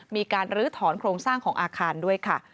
มีการลื้อถอนโครงสร้างของอาคารด้วยค่ะ